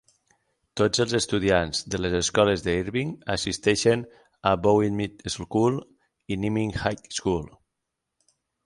Tots els estudiants de les escoles de Irving assisteixen a Bowie Middle School i a Nimitz High School.